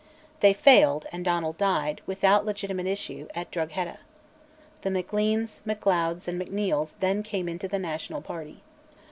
They failed, and Donald died, without legitimate issue, at Drogheda. The Macleans, Macleods, and Macneils then came into the national party.